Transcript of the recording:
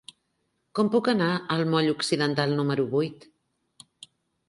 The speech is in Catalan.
Com puc anar al moll Occidental número vuit?